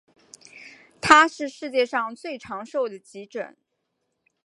它是世界上最长寿的急诊。